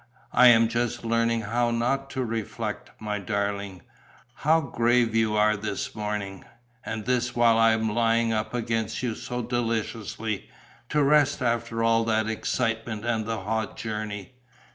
"I am just learning how not to reflect.... My darling, how grave you are this morning! And this while I'm lying up against you so deliciously, to rest after all that excitement and the hot journey."